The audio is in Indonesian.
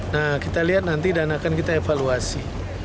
nah kita lihat nanti dan akan kita evaluasi